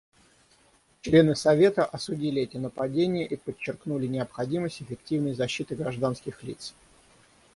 Члены Совета осудили эти нападения и подчеркнули необходимость эффективной защиты гражданских лиц.